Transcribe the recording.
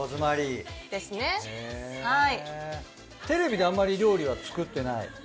テレビであんまり料理は作ってない？